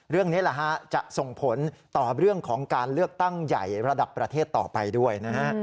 เรื่องนี้จะส่งผลต่อเรื่องของการเลือกตั้งใหญ่ระดับประเทศต่อไปด้วยนะฮะ